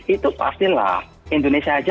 itu pastilah indonesia saja